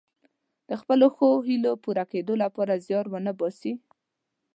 د خپلو ښو هیلو پوره کیدو لپاره زیار ونه باسي.